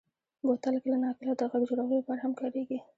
بوتل کله ناکله د غږ جوړولو لپاره هم کارېږي.